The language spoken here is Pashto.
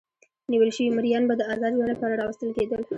نیول شوي مریان به د ازاد ژوند لپاره راوستل کېدل.